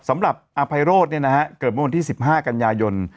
สำหรับอภัยโรดเนี่ยนะครับเกิดมาบนที่๑๕กันยายน